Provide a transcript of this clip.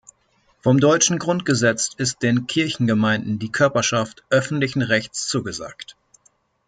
Vom deutschen Grundgesetz ist den Kirchengemeinden die Körperschaft öffentlichen Rechts zugesagt.